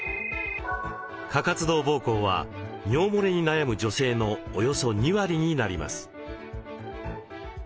過活動膀胱は尿もれに悩む女性のおよそ２割になります。